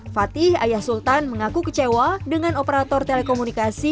fatih ayah sultan mengaku kecewa dengan operator telekomunikasi